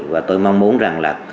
và tôi mong muốn rằng